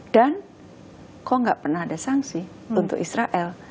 dan kok gak pernah ada sanksi untuk israel